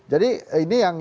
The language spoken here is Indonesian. jadi ini yang